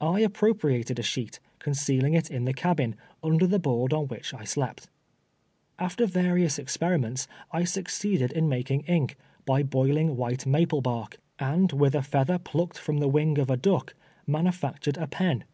I appropriated a sheet, concealing it in the cabin, under the board on which I slept. After various experiments I succeeded in making ink, by boiling white maple bark, and with a feather THE LETTEK. " 231 plucked from tlie wing of a duck, manufactured a pen.